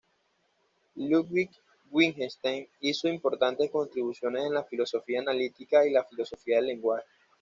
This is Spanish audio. Ludwig Wittgenstein hizo importantes contribuciones en la filosofía analítica y la filosofía del lenguaje.